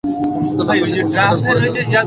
মনে হতে লাগল ঠিক সময়টাকে বয়ে যেতে দিয়েছি।